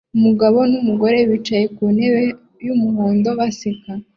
Umugabo numugore bicaye kuntebe yumuhondo baseka